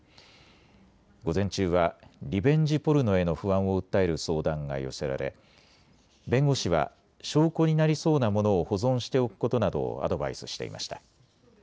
午前中はリベンジポルノへの不安を訴える相談が寄せられ弁護士は証拠になりそうなものを保存しておくことなどをアドバイスしていました。